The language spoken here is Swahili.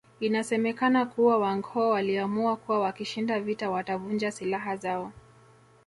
Inasemekana kuwa Wanghoo waliamua kuwa wakishinda vita watavunja silaha zao